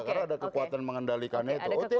karena ada kekuatan mengendalikannya itu